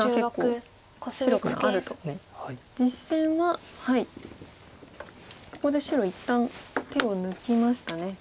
実戦はここで白一旦手を抜きましたね。